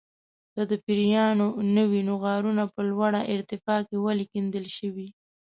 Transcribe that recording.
که د پیریانو نه وي نو غارونه په لوړه ارتفاع کې ولې کیندل شوي.